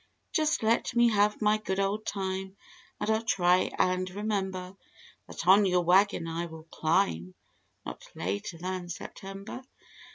Just let me have my good old time and I'll try and remember That on your wagon I will climb, not later than September."